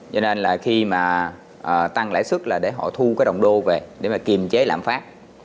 cho nên khi tăng lãi xuất là để họ thu đồng đô về để kiềm chế lãm phát